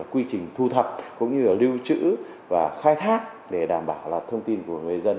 quy trình thu thập cũng như là lưu trữ và khai thác để đảm bảo là thông tin của người dân